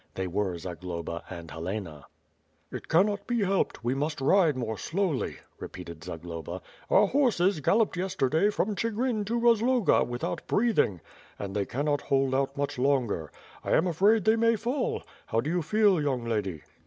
They were Zagloba and Helena. "It cannot be helped; we must ride more slowly," repeated Zagloba. "Our horses galloped yesterday from Chigrin to Rozloga, without breathing, and they cannot hold out much longer. I am afraid they may fall. How do you feel, young lady?"